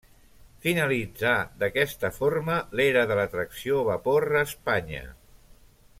Finalitzà d’aquesta forma l’era de la tracció vapor a Espanya.